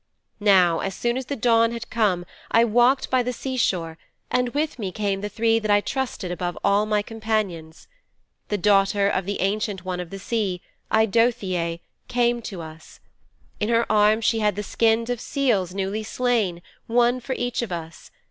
'Now as soon as the dawn had come I walked by the sea shore and with me came the three that I trusted above all my companions. The daughter of the Ancient One of the Sea, Eidothëe, came to us. In her arms she had the skins of seals newly slain, one for each of us.